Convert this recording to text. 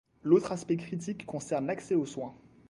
L’autre aspect critique concerne l’accès aux soins.